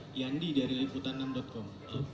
dari yandi dari liputanam com